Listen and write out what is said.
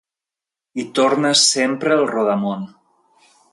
Hi torna sempre el rodamón.